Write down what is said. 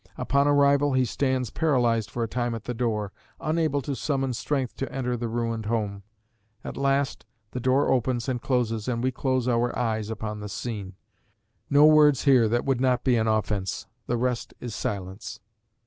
Upon arrival, he stands paralysed for a time at the door, unable to summon strength to enter the ruined home. At last the door opens and closes and we close our eyes upon the scene no words here that would not be an offence. The rest is silence.